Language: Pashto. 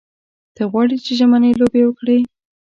ته غواړې چې ژمنۍ لوبې وکړې.